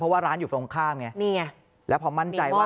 เพราะว่าร้านอยู่ตรงข้ามไงนี่ไงแล้วพอมั่นใจว่า